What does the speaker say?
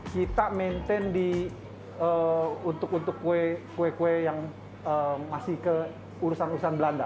kita maintain untuk kue kue yang masih ke urusan urusan belanda